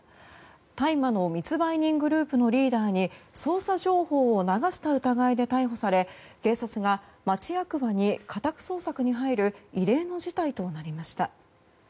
大麻の密売人グループのリーダーに捜査情報を流した疑いで逮捕され警察が町役場に家宅捜索に入る異例の事態となりました。